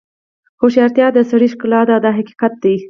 هوښیارتیا د سړي ښکلا ده دا حقیقت دی.